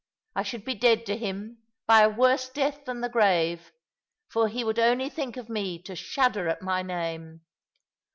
I should be dead to him, by a worse death than the grave; for he would only think of me to Bhudder at my name.